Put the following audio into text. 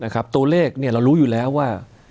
ตัวเลขเรารู้อยู่แล้วว่า